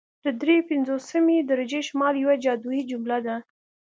د دري پنځوسمې درجې شمال یوه جادويي جمله ده